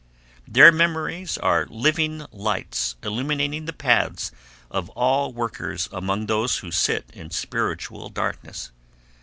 Their memories are living lights illuminating the paths of all workers among those who sit in spiritual darkness.